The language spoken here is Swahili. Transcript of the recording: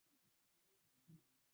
Ni ombi langu tushikane kama wakristo